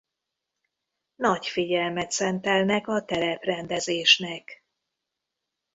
Nagy figyelmet szentelnek a tereprendezésnek.